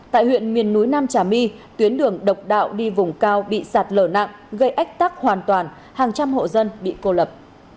tại huyện miền núi nam trà my tuyến đường độc đạo đi vùng cao bị sạt lở nặng gây ách tắc hoàn toàn hàng trăm hộ dân bị cô lập